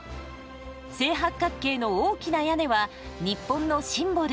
正八角形の大きな屋根は日本のシンボル